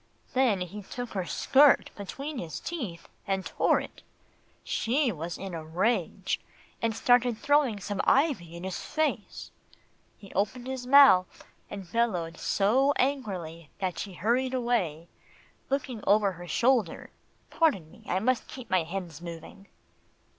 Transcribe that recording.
Then he took her skirt between his teeth, and tore it. She was in a rage, and started throwing some ivy in his face. He opened his mouth, and bellowed so angrily, that she hurried away, looking over her shoulder Pardon me, I must keep my hens moving."